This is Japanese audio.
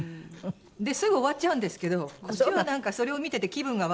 ですぐ終わっちゃうんですけどこっちはそれを見てて気分が悪いらしくって。